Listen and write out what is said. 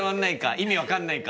意味分かんないか。